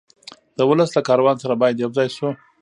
د ولس له کاروان سره باید یو ځای شو.